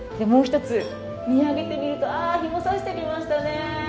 もう一つ見上げてみるとあ日もさしてきましたね。